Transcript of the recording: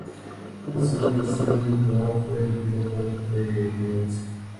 La segunda versión del programa fue emitida por Teleonce.